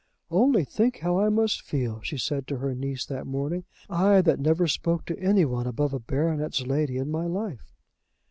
"Only think how I must feel," she said to her niece, that morning, "I, that never spoke to any one above a baronet's lady in my life."